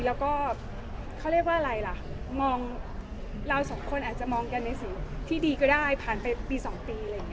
แล้วก็เขาเรียกว่าอะไรล่ะมองเราสองคนอาจจะมองกันในสิ่งที่ดีก็ได้ผ่านไปปี๒ปีอะไรอย่างนี้